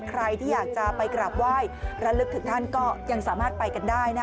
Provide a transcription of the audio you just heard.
ใครที่อยากจะไปกราบไหว้ระลึกถึงท่านก็ยังสามารถไปกันได้นะ